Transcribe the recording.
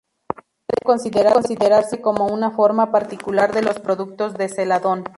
Puede considerarse como una forma particular de los productos de celadón.